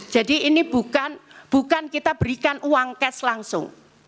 jadi ini bukan bukan kita berikan uang cash langsung